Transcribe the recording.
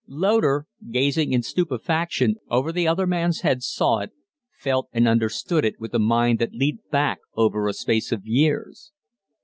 Loder, gazing in stupefaction over the other man's head, saw it felt and understood it with a mind that leaped back over a space of years.